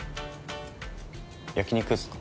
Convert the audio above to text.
焼き肉っすか？